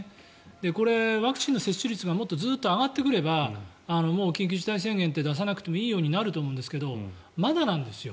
これ、ワクチンの接種率がもっと上がってくればもう緊急事態宣言って出さなくてもいいようになると思うんですけどまだなんですよ。